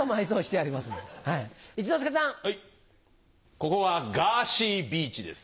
ここはガーシービーチです。